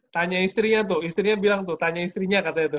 tanya istrinya tuh istrinya bilang tuh tanya istrinya katanya tuh